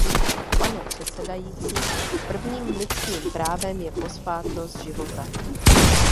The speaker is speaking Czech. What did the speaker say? Pane předsedající, prvním lidským právem je posvátnost života.